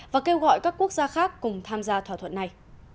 và kêu gọi các quốc gia khác cùng tham gia thỏa thuận này